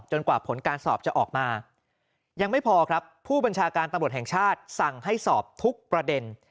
กว่าผลการสอบจะออกมายังไม่พอครับผู้บัญชาการตำรวจแห่งชาติสั่งให้สอบทุกประเด็น